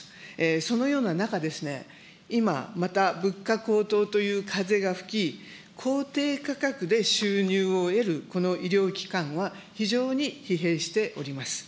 そのような中ですね、今、また物価高騰という風が吹き、公定価格で収入を得る、この医療機関は、非常に疲弊しております。